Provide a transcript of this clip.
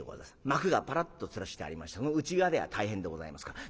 幕がパラッとつるしてありましてその内側では大変でございますから。